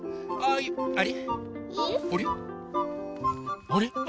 あれ？